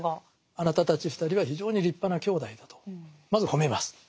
あなたたち２人は非常に立派な兄弟だとまず褒めます。